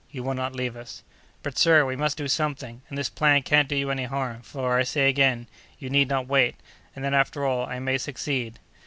You will not leave us." "But, sir, we must do something, and this plan can't do you any harm, for, I say again, you need not wait; and then, after all, I may succeed."